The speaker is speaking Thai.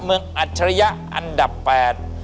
เมืองอัจฉริยะอันดับแปด